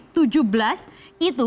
tujuh belas itu berasal dari amerika serikat